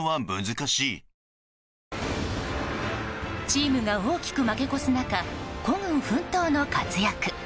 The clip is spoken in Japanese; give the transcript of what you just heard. チームが大きく負け越す中孤軍奮闘の活躍。